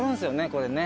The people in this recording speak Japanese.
これね。